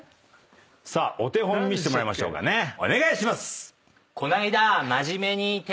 お手本見せてもらいましょうかねお願いします。